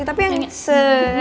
tapi yang se